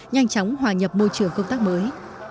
nhanh chóng hòa nhập môi trường công tác mới